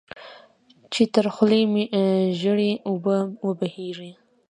چې تر خوله مې ژېړې اوبه وبهېږي.